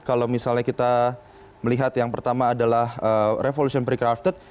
kalau misalnya kita melihat yang pertama adalah revolution precrafted